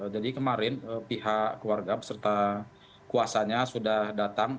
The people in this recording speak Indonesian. jadi kemarin pihak keluarga beserta kuasanya sudah datang